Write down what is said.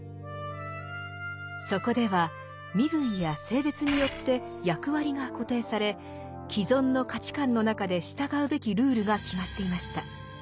そこでは身分や性別によって役割が固定され既存の価値観の中で従うべきルールが決まっていました。